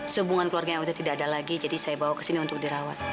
sehubungan keluarga yang sudah tidak ada lagi jadi saya bawa ke sini untuk dirawat